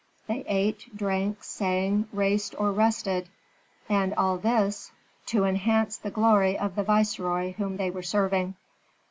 They ate, drank, sang, raced or rested, and all this to enhance the glory of the viceroy whom they were serving.